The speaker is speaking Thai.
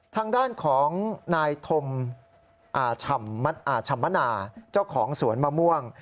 ทางด้านของนายธมนาเจ้าของสวนมะม่วง